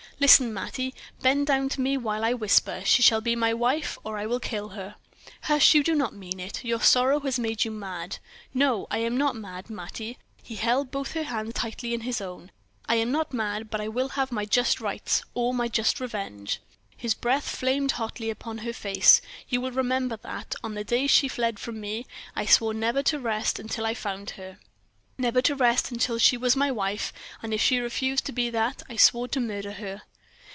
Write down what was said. Listen, Mattie; bend down to me while I whisper. She shall be my wife, or I will kill her!" "Hush! You do not mean it. Your sorrow has made you mad." "No, I am not mad, Mattie." He held both her hands tightly in his own. "I am not mad, but I will have my just rights, or my just revenge." His breath flamed hotly upon her face. "You will remember that, on the day she fled from me, I swore never to rest until I found her; never to rest until she was my wife, and if she refused to be that, I swore to murder her!"